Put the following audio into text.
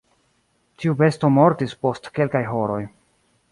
Tiu besto mortis post kelkaj horoj.